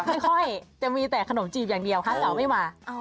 ไม่ค่อยจะมีแต่ขนมจีบอย่างเดียวค่ะเอาไม่มา